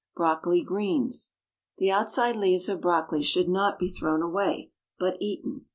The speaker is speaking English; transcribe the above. BROCOLI GREENS. The outside leaves of brocoli should not be thrown away, but eaten.